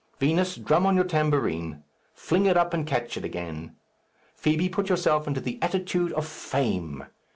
Vinos, drum on your tambourine. Fling it up and catch it again. Fibi, put yourself into the attitude of Fame.